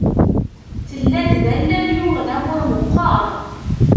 Tella-d d allal yuɣen amur meqqer.